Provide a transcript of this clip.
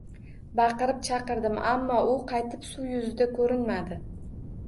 Baqirib chaqirdim, ammo u qaytib suv yuzida ko`rinmadi